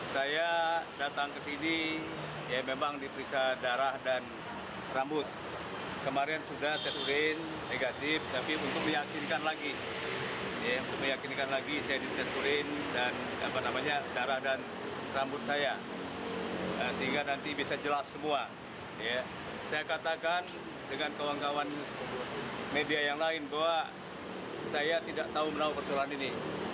saya tidak tahu menanguk persoalan ini